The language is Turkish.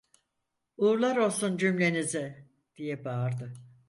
"Uğurlar olsun cümlenize!" diye bağırdı.